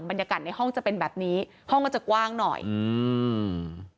ในห้องจะเป็นแบบนี้ห้องก็จะกว้างหน่อยอืม